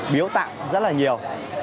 biểu tạng rất là nhiều